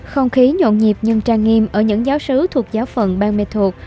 không khí nhộn nhịp nhưng trang nghiêm ở những giáo sứ thuộc giáo phận bang met thuộc